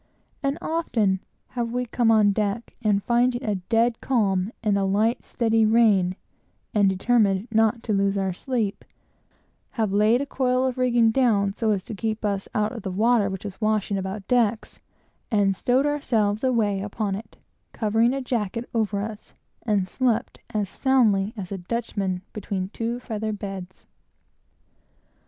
And often have we come on deck, and finding a dead calm and a light, steady rain, and determined not to lose our sleep, have laid a coil of rigging down so as to keep us out of the water which was washing about decks, and stowed ourselves away upon it, covering a jacket over us, and slept as soundly as a Dutchman between two feather beds.